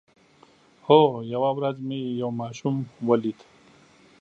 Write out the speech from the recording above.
هو، یوه ورځ مې یو ماشوم ولید